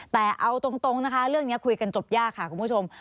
แต่เอาตรงนะคะเรื่องนี้คุยกันจบยากค่ะคุณผู้ชม